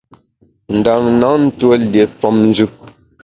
Ndam na ntuó lié femnjù.